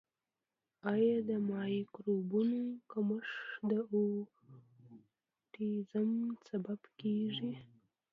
آیا د مایکروبونو کمښت د اوټیزم سبب کیږي؟